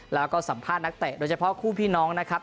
แล้วก็สัมภาษณ์นักเตะโดยเฉพาะคู่พี่น้องนะครับ